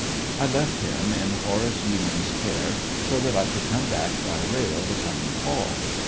I left him, in Horace Yeamans' care, so that I could come back by rail the coming fall.